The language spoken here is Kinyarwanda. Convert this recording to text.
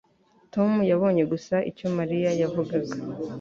tom yabonye gusa icyo mariya yavugaga